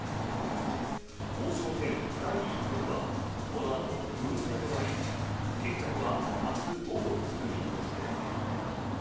王将戦第１局はこのあと、封じ手となり決着は明日午後つく見通しです。